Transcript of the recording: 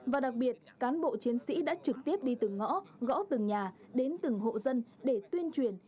và đặc biệt cán bộ chiến sĩ đã trực tiếp đi từng ngõ gõ từng nhà đến từng hộ dân để tuyên truyền